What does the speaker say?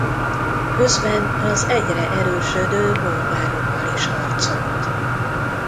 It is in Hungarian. Közben az egyre erősödő bolgárokkal is harcolt.